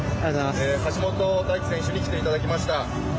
橋本大輝選手に来ていただきました。